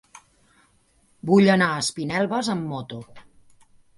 Vull anar a Espinelves amb moto.